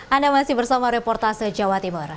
anda masih bersama reportase jawa timur